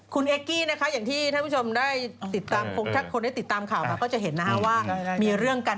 คุณเอกกี้นะคะอย่างที่ท่านผู้ชมได้ติดตามถ้าคนได้ติดตามข่าวมาก็จะเห็นนะคะว่ามีเรื่องกัน